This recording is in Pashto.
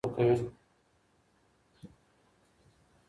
ځیني څېړونکي سم ماخذونه نه ورکوي.